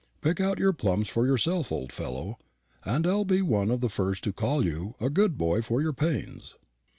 Pick out your plums for yourself, old fellow, and I'll be one of the first to call you a good boy for your pains."